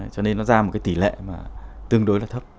cho nên nó ra một tỷ lệ tương đối là thấp